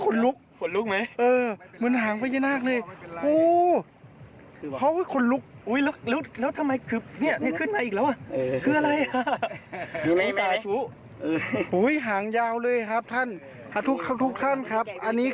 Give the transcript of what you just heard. ทุกท่านครับอันนี้คือปลายปลายพระธาตุนะครับ